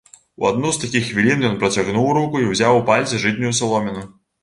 У адну з такіх хвілін ён працягнуў руку і ўзяў у пальцы жытнюю саломіну.